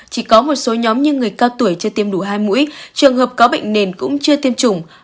chỉ có một số nhóm như người cao tuổi chưa tiêm đủ hai mũi trường hợp có bệnh nền cũng chưa tiêm chủng